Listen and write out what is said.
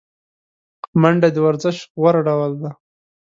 منډه د ورزش غوره ډول دی